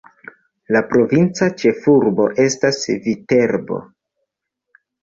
La provinca ĉefurbo estas Viterbo.